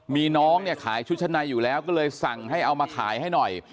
มีน้องเนี่ยขายชุดชั้นในอยู่แล้วก็เลยสั่งให้เอามาขายให้หน่อย